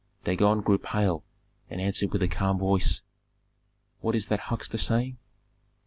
Dagon grew pale and answered with a calm voice, "What is that huckster saying?